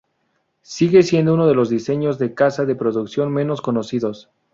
Sigue siendo uno de los diseños de caza de producción menos conocidos.